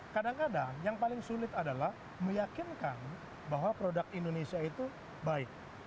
kadang kadang yang paling sulit adalah meyakinkan bahwa produk indonesia itu baik